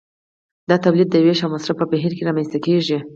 دا د تولید د ویش او مصرف په بهیر کې رامنځته کیږي.